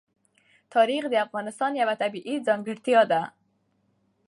تاریخ د افغانستان یوه طبیعي ځانګړتیا ده.